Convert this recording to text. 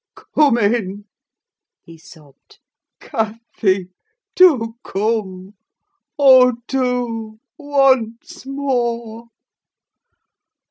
come in!" he sobbed. "Cathy, do come. Oh, do—once more!